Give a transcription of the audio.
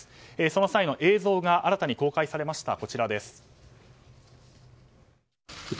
その際の映像が新たに公開されました。